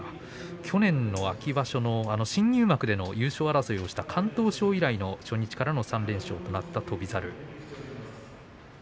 去年の秋場所、新入幕での優勝争いをした敢闘賞以来の初日からの３連勝となった翔猿